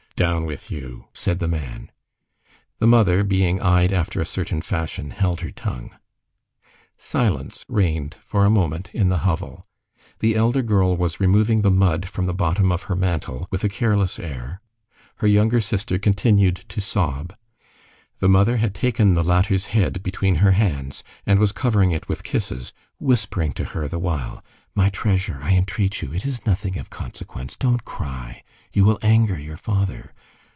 "Down with you!" said the man. The mother, being eyed after a certain fashion, held her tongue. Silence reigned for a moment in the hovel. The elder girl was removing the mud from the bottom of her mantle, with a careless air; her younger sister continued to sob; the mother had taken the latter's head between her hands, and was covering it with kisses, whispering to her the while:— "My treasure, I entreat you, it is nothing of consequence, don't cry, you will anger your father."